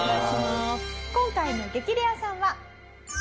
今回の激レアさんは。